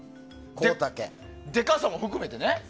でかさも含めて。